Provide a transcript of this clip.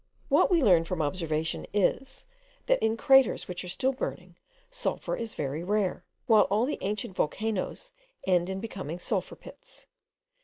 What we learn from observation is, that in craters which are still burning, sulphur is very rare; while all the ancient volcanoes end in becoming sulphur pits.